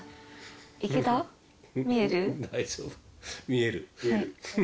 見える。